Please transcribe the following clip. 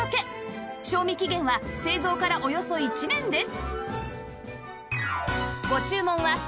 賞味期限は製造からおよそ１年です